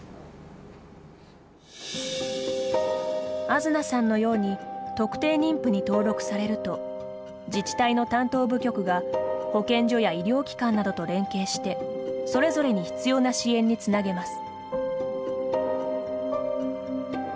あづなさんのように特定妊婦に登録されると自治体の担当部局が保健所や医療機関などと連携してそれぞれに必要な支援につなげます。